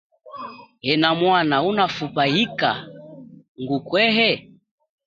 Enamwana, unafupa yika ngukwehe?